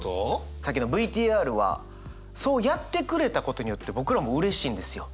さっきのＶＴＲはそうやってくれたことによって僕らもうれしいんですよ。